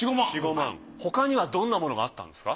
他にはどんなものがあったんですか？